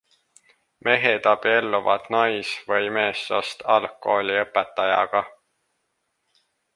Mehed abielluvad nais- või meessoost algkooliõpetajaga.